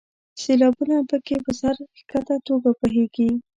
سیلابونه په کې په سر ښکته توګه بهیږي.